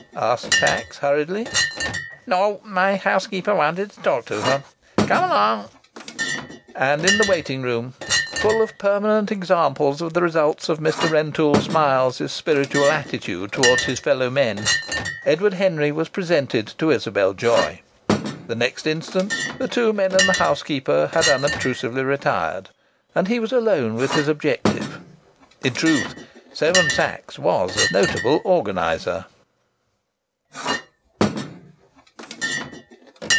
asked Sachs, hurriedly. "No, my housekeeper wanted to talk to her. Come along." And in the waiting room, full of permanent examples of the results of Mr. Rentoul Smiles's spiritual attitude towards his fellow men, Edward Henry was presented to Isabel Joy. The next instant the two men and the housekeeper had unobtrusively retired, and he was alone with his objective. In truth, Seven Sachs was a notable organizer.